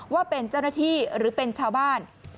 ว่าเป็นเจ้าหน้าที่หรือเป็นชาวบ้าน